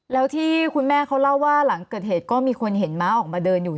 แล้วที่คุณแม่เขาเล่าว่าหลังเกิดเหตุก็มีคนเห็นม้าออกมาเดินอยู่